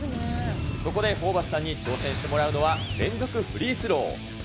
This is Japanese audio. そこでホーバスさんに挑戦してもらうのは、連続フリースロー。